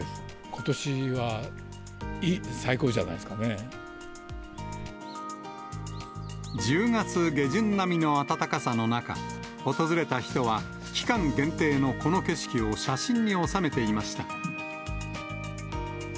ことしはいい、最高じゃない１０月下旬並みの暖かさの中、訪れた人は期間限定のこの景色を写真に収めていました。